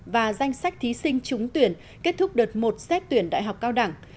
và danh sách thí sinh trúng tuyển kết thúc đợt một xét tuyển đại học cao đẳng